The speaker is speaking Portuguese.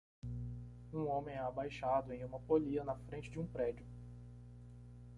Um homem é abaixado em uma polia na frente de um prédio